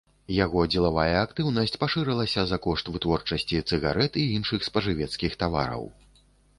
Яго дзелавая актыўнасць пашырылася за кошт вытворчасці цыгарэт і іншых спажывецкіх тавараў.